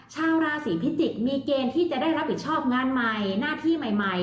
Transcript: ชาวราศีพิจิกษ์มีเกณฑ์ที่จะได้รับผิดชอบงานใหม่หน้าที่ใหม่